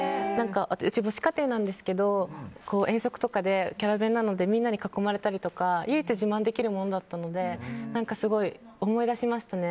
うち、母子家庭なんですけど遠足とかでキャラ弁だったのでみんなに囲まれたりとか唯一自慢できるものだったのですごい思い出しましたね。